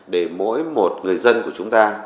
để mỗi một người dân của chúng ta